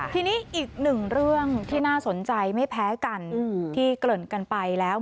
ทีนี้อีกหนึ่งเรื่องที่น่าสนใจไม่แพ้กันที่เกริ่นกันไปแล้ว